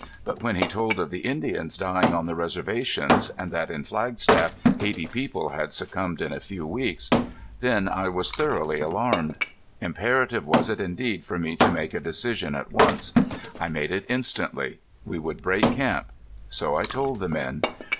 But when he told of the Indians dying on the reservations, and that in Flagstaff eighty people had succumbed in a few weeks then I was thoroughly alarmed. Imperative was it indeed for me to make a decision at once. I made it instantly. We would break camp. So I told the men.